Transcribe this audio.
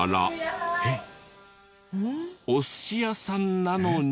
お寿司屋さんなのに。